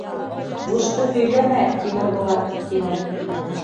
— Бушты һөйләмә, Тимербулат, — тине.